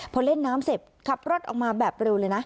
พอเล่นน้ำเสร็จขับรถออกมาแบบเร็วเลยนะ